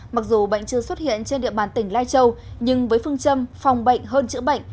mặc dù bệnh chưa xuất hiện trên địa bàn tỉnh lai châu nhưng với phương châm phòng bệnh hơn chữa bệnh